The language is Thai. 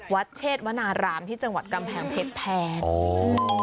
เชษวนารามที่จังหวัดกำแพงเพชรแทน